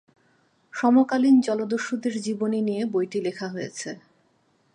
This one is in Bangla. সমকালীন জলদস্যুদের জীবনী নিয়ে বইটি লেখা হয়েছে।